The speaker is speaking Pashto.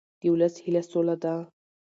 د ولس هیله سوله ده